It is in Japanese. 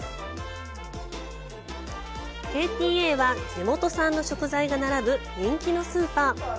ＫＴＡは地元産の食材が並ぶ人気のスーパー。